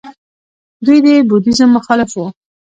دوی د بودیزم مخالف وو